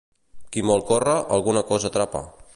Qui molt corre, alguna cosa atrapa.